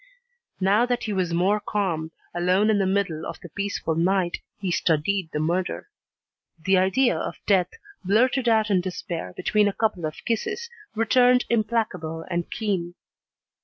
Now that he was more calm, alone in the middle of the peaceful night, he studied the murder. The idea of death, blurted out in despair between a couple of kisses, returned implacable and keen.